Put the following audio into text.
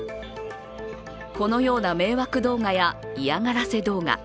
このような迷惑動画や嫌がらせ動画